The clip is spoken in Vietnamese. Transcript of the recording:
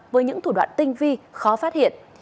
với những thủ đoạn tinh vi khó phát triển